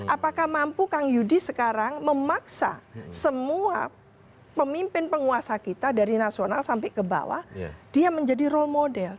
apakah mampu kang yudi sekarang memaksa semua pemimpin penguasa kita dari nasional sampai ke bawah dia menjadi role model